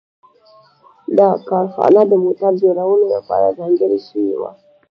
دا کارخانه د موټر جوړولو لپاره ځانګړې شوې وه